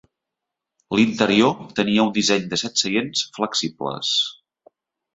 L"interior tenia un disseny de set seients flexibles.